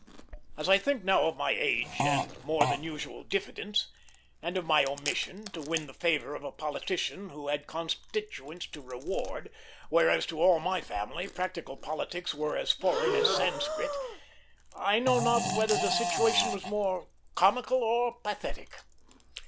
As I think now of my age, and more than usual diffidence, and of my mission, to win the favor of a politician who had constituents to reward, whereas to all my family practical politics were as foreign as Sanskrit, I know not whether the situation were more comical or pathetic.